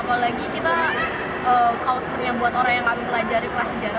apalagi kita kalau sebenarnya buat orang yang kami pelajari prasejarah